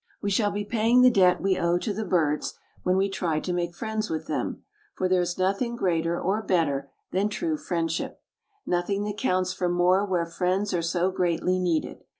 We shall be paying the debt we owe to the birds when we try to make friends with them, for there is nothing greater or better than true friendship, nothing that counts for more where friends are so greatly needed.